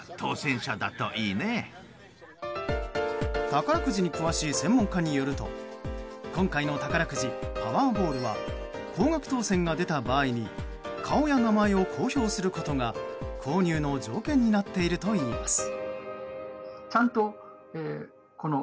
宝くじに詳しい専門家によると今回の宝くじ、パワーボールは高額当せんが出た場合に顔や名前を公表することが購入の条件になっているといいます。